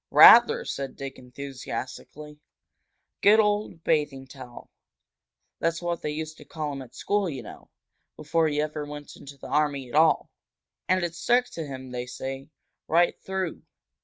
"Rather!" said Dick, enthusiastically. "Good old Bathing Towel! That's what they used to call him at school, you know, before he ever went into the army at all. And it stuck to him, they say, right through.